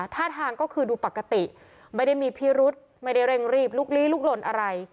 ท่าทางก็คือดูปกติไม่ได้มีพิรุษไม่ได้เร่งรีบลุกลี้ลุกลนอะไร